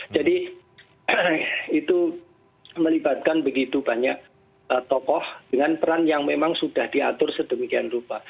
jadi itu melibatkan begitu banyak tokoh dengan peran yang memang sudah diatur sedemikian rupa